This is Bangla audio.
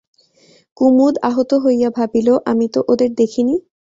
কুমুদ আহত হইয়া ভাবিল, আমি তো ওদের দেখিনি!